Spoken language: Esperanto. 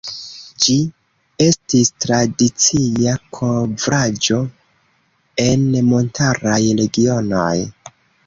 Ĝi estis tradicia kovraĵo en montaraj regionoj.